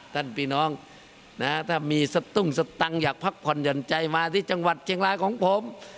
พี่น้องถ้ามีสตุ้งสตังค์อยากพักผ่อนหย่อนใจมาที่จังหวัดเชียงรายของผม